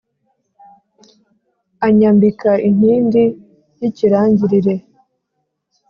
Anyambika inkindi y'ikirangirire